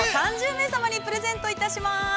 ３０名様にプレゼントいたします。